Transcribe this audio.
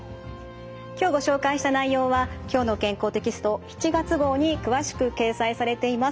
今日ご紹介した内容は「きょうの健康」テキスト７月号に詳しく掲載されています。